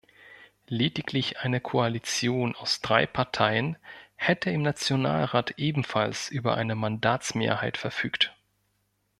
Lediglich eine Koalition aus drei Parteien hätte im Nationalrat ebenfalls über eine Mandatsmehrheit verfügt.